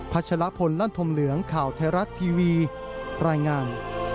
ชะลพลลั่นธมเหลืองข่าวไทยรัฐทีวีรายงาน